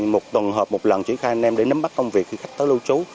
một tuần hợp một lần triển khai anh em để nắm bắt công việc khi khách tới lưu trú